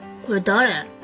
これ誰？